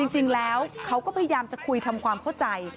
จริงแล้วเขาก็พยายามจะคุยทำความเข้าใจ